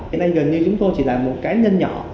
hiện nay gần như chúng tôi chỉ là một cá nhân nhỏ